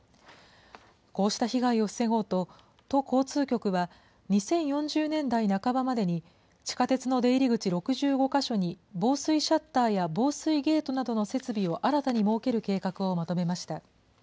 こうした被害を防ごうと、都交通局は、２０４０年代半ばまでに地下鉄の出入り口６５か所に防水シャッターや防水ゲートなどの設備を新たに設ける計画をまとめました。